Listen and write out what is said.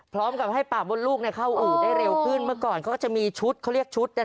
พร้อมกับให้ปากมดลูกเข้าอู่ได้เร็วขึ้นเมื่อก่อนเขาก็จะมีชุดเขาเรียกชุด